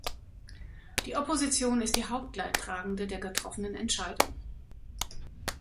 Die Opposition ist die Hauptleidtragende der getroffenen Entscheidung.